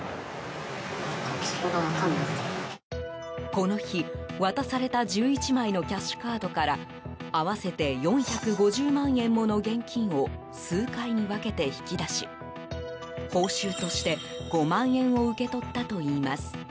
この日、渡された１１枚のキャッシュカードから合わせて４５０万円もの現金を数回に分けて引き出し報酬として５万円を受け取ったといいます。